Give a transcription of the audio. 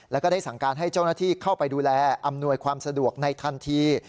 แล้วก็ได้สั่งการให้เจ้าหน้าที่เข้าไปดูแลอำนวยความสะดวกในทันที